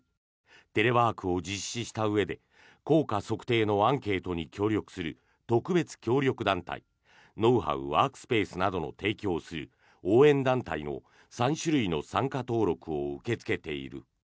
テレワークを実施したうえで効果測定のアンケートに協力する特別協力団体ノウハウ、ワークスペースなどを提供する応援団体の３種類の参加登録を受け付けている。